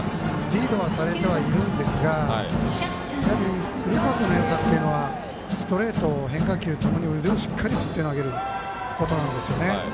リードはされてはいるんですがやはり古川君のよさというのはストレート、変化球ともに腕をしっかり振って投げることなんですよね。